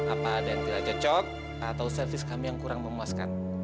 apa ada yang tidak cocok atau servis kami yang kurang memuaskan